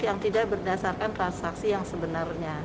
yang tidak berdasarkan transaksi yang sebenarnya